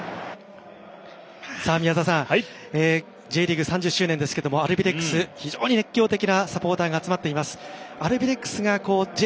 Ｊリーグ３０周年ですがアルビレックス熱狂的なサポーターが集まっています。